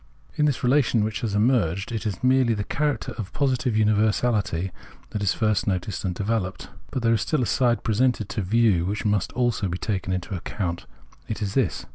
In this relation, which has emerged, it is merely the character of positive universality that is first noticed and developed. But there is still a side presented to view which must also be taken into account. It is this.